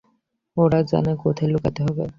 ওরা জানে কোথায় লুকাতে হবে।